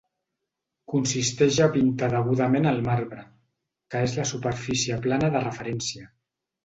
Consisteix a pintar degudament el marbre, que és la superfície plana de referència.